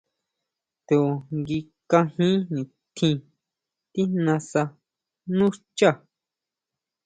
To nguí kanjin nitjín tijnasa nú xchá.